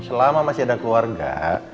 selama masih ada keluarga